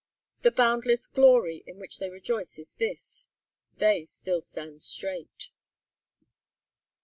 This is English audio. The boundless glory in which they rejoice is this they still stand straight.